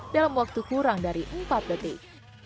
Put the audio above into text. dalam waktu kurang dari empat detik